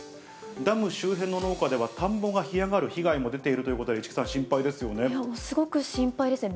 ダム周辺の農家では、田んぼが干上がる被害も出ているということで、市來さん、心配ですごく心配ですね。